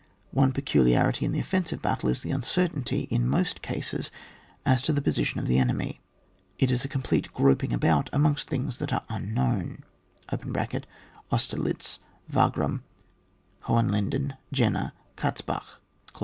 One peculiarity in the offensive battle is the uncertainty, in most cases, as to the position of the enemy ; it is a complete groping about amongst things that are unknown (Aus terlitz, Wagram, Hohenlinden, Jena, Katzbach).